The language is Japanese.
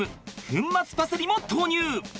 粉末パセリも投入！